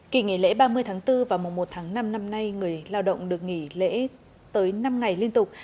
kỳ nghỉ lễ ba mươi tháng bốn và mùa một tháng năm năm nay người lao động được nghỉ lễ tới năm ngày liên tục